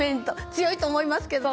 強いと思いますけど